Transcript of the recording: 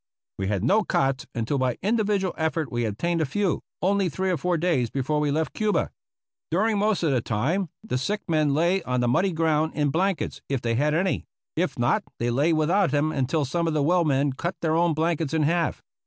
We had no cots until by individual effort we obtained a few, only three or four days before we left Cuba. During most of the time the sick men lay on the muddy ground in blankets, if they had any ; if not, they lay without them until some of the well men cut their own blankets in half.